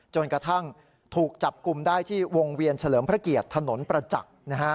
จนกระทั่งถูกจับกลุ่มได้ที่วงเวียนเฉลิมพระเกียรติถนนประจักษ์